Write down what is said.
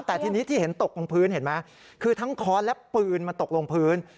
แต่ทีนี้ที่เห็นตกลงพื้นเห็นไหมคือทั้งค้อนและปืนมันตกลงพื้น